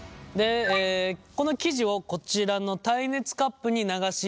この生地をこちらの耐熱カップに流し入れていきます。